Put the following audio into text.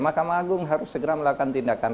mahkamah agung harus segera melakukan tindakan